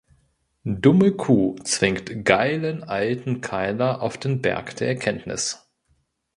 Dumme Kuh zwingt ‚geilen alten Keiler‘ auf den Berg der Erkenntnis.